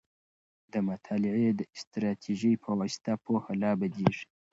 د مطالعې د استراتيژۍ په واسطه پوهه لا بدیږي.